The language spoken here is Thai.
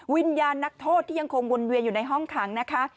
นักโทษที่ยังคงวนเวียนอยู่ในห้องขังนะคะ